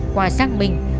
quả xác mình